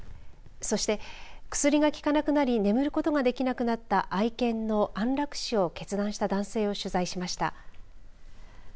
そして、薬が効かなくなり眠ることができなくなった愛犬の安楽死を決断した男性を取材しました。